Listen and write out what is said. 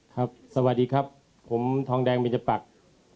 ครับสวัสดีครับผมทองแดงบิญจปักษ์